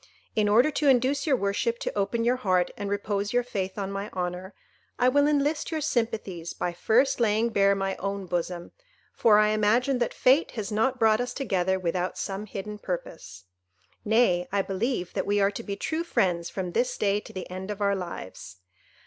In order to induce your worship to open your heart and repose your faith on my honour, I will enlist your sympathies by first laying bare my own bosom; for I imagine that fate has not brought us together without some hidden purpose. Nay, I believe that we are to be true friends from this day to the end of our lives.